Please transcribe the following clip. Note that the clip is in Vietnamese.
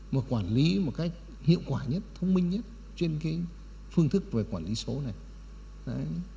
mà quản lý một cách hiệu quả nhất thông minh nhất trên phương thức về quản lý số này